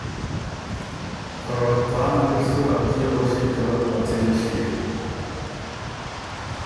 که کانه مِر سُو ا پئے غؤݭی که ا څېن ݭيې؟